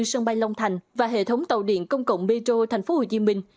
sân bay long thành và hệ thống tàu điện công cộng metro tp hcm